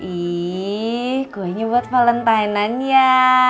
ih kuenya buat valentine ya